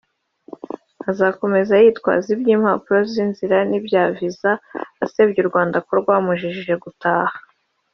Azakomeza kwitwaza iby’impapuro zinzira n’ibya visa asebye u Rwanda ko rwamujije gutaha